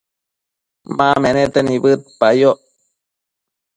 ma menete nibëdpayoc